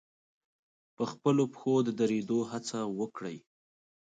په خپلو پښو د درېدو هڅه وکړي.